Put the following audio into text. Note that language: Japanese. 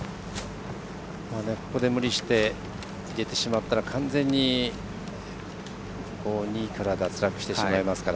無理して入れてしまったら完全に２位から脱落してしまいますから。